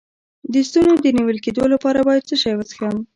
د ستوني د نیول کیدو لپاره باید څه شی وڅښم؟